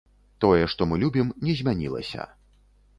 Тое, што мы любім, не змянілася.